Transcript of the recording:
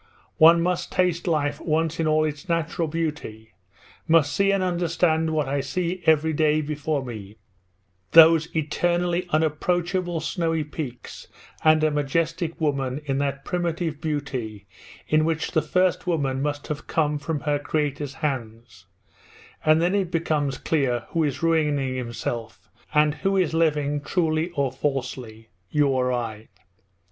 One must taste life once in all its natural beauty, must see and understand what I see every day before me those eternally unapproachable snowy peaks, and a majestic woman in that primitive beauty in which the first woman must have come from her creator's hands and then it becomes clear who is ruining himself and who is living truly or falsely you or I.